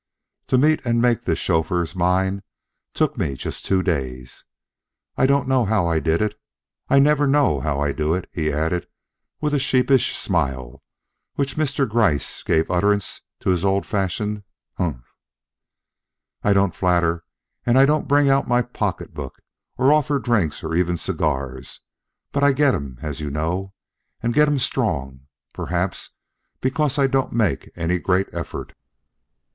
To meet and make this chauffeur mine took me just two days. I don't know how I did it. I never know how I do it," he added with a sheepish smile as Mr. Gryce gave utterance to his old fashioned "Umph!" "I don't flatter and I don't bring out my pocketbook or offer drinks or even cigars, but I get 'em, as you know, and get 'em strong, perhaps because I don't make any great effort.